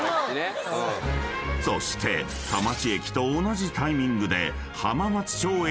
［そして田町駅と同じタイミングで］